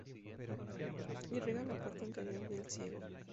Irriga la parte anterior del ciego.